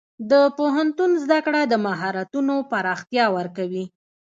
د پوهنتون زده کړه د مهارتونو پراختیا ورکوي.